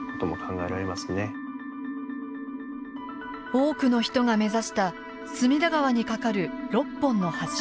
多くの人が目指した隅田川に架かる６本の橋。